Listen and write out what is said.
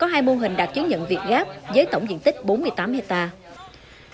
có hai mô hình đạt chứng nhận việt gáp với tổng diện tích bốn mươi tám hectare